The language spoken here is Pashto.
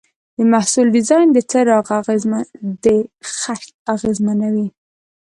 د محصول ډیزاین د خرڅ اغېزمنوي.